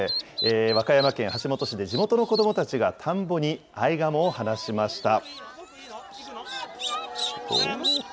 和歌山県橋本市で、地元の子どもたちが田んぼにアイガモを放しました。